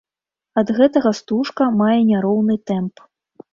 Ад гэтага стужка мае няроўны тэмп.